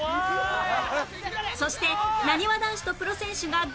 そしてなにわ男子とプロ選手がガチ試合！